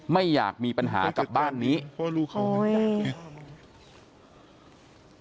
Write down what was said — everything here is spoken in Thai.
ไม่อยากมีปัญหากับบ้านนี้เพราะลูกเขาไงโอ้ย